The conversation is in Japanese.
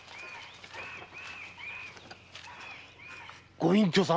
ご隠居様。